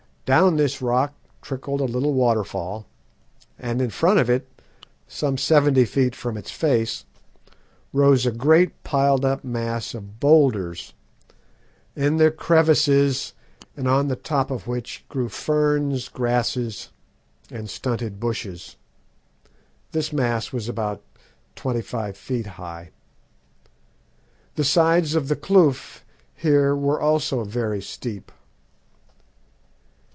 Down this rock trickled a little waterfall, and in front of it, some seventy feet from its face, rose a great piled up mass of boulders, in the crevices and on the top of which grew ferns, grasses, and stunted bushes. This mass was about twenty five feet high. The sides of the kloof here were also very steep.